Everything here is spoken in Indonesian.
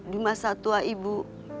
di masa tua ibu